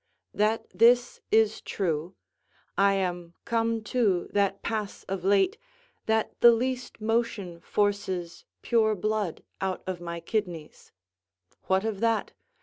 That this is true: I am come to that pass of late, that the least motion forces pure blood out of my kidneys: what of that?